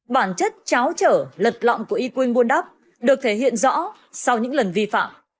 bản chất cháo trở lật lọng của y quynh buôn đắp được thể hiện rõ sau những lần vi phạm